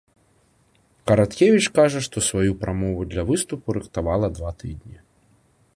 Караткевіч кажа, што сваю прамову для выступу рыхтавала два тыдні.